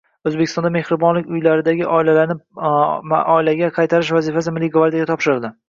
O‘zbekistonda mehribonlik uylaridagi bolalarni oilaga qaytarish vazifasi Milliy gvardiyaga topshirildi